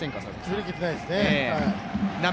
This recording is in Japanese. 振り切れていないですね。